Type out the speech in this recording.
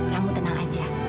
kamu tenang aja